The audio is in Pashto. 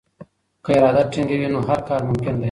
که اراده ټینګه وي نو هر کار ممکن دی.